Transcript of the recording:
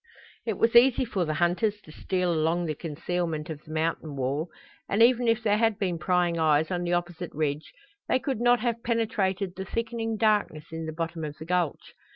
It was easy for the hunters to steal along the concealment of the mountain wall, and even if there had been prying eyes on the opposite ridge they could not have penetrated the thickening darkness in the bottom of the gulch.